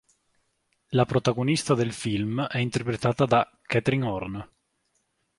La protagonista del film è interpretata da "Katharine Horn".